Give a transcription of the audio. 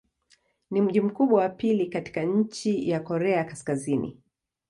Ni mji mkubwa wa pili katika nchi wa Korea Kaskazini.